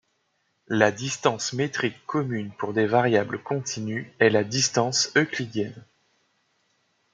La distance métrique commune pour des variables continues est la distance euclidienne.